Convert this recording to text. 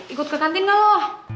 ikut ke kantin nge lo